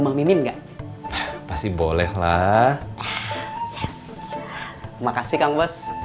terima kasih kang bos